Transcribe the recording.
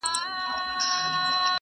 • راسه قاسم یاره نن یو څه شراب زاړه لرم,